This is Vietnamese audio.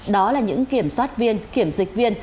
đó là những kiểm soát viên kiểm dịch viên